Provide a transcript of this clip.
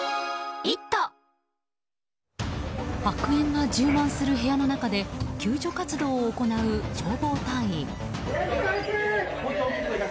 白煙が充満する部屋の中で救助活動を行う消防隊員。